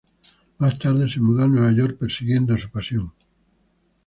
Más tarde, se mudó a Nueva York persiguiendo su pasión.